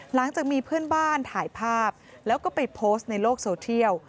หลังจากมีเพื่อนบ้านถ่ายภาพแล้วก็ไปโพสต์ในโลกโซเทียล